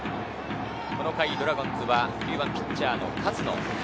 この回、ドラゴンズは９番・ピッチャーの勝野。